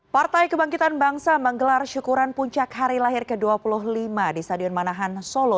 partai kebangkitan bangsa menggelar syukuran puncak hari lahir ke dua puluh lima di stadion manahan solo